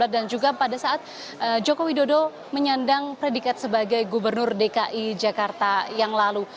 dan juga pada saat jokowi dodo menyandang predikat sebagai gubernur dki jakarta yang lalu